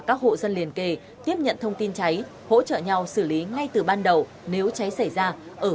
các hộ dân liền kề tiếp nhận thông tin cháy hỗ trợ nhau xử lý ngay từ ban đầu nếu cháy xảy ra ở